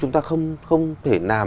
chúng ta không thể làm